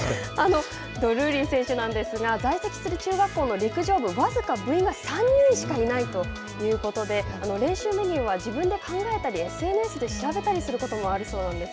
ドルーリー選手なんですが在籍する中学校の陸上部、僅か部員は３人しかいないということで、練習メニューは、自分で考えたり、ＳＮＳで調べたりすることもあるそうなんです。